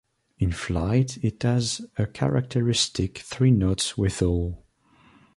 In flight it has a characteristic three-note whistle.